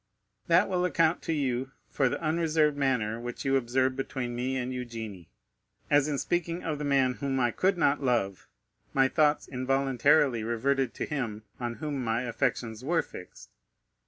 "That will account to you for the unreserved manner which you observed between me and Eugénie, as in speaking of the man whom I could not love, my thoughts involuntarily reverted to him on whom my affections were fixed."